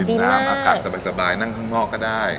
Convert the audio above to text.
น้ำอากาศสบายนั่งข้างนอกก็ได้